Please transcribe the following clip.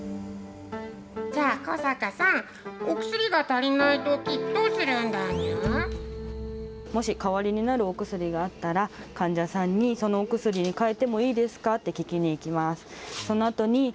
じゃあ小坂さんお薬が足りないときもし代わりになるお薬があったら患者さんにそのお薬に変えてもいいですかって聞きにいきます。